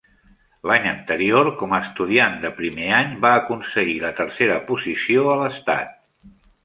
L'any anterior, com a estudiant de primer any, va aconseguir la tercera posició a l'Estat.